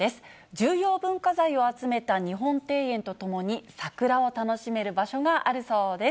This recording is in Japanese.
重要文化財を集めた日本庭園とともに桜を楽しめる場所があるそうです。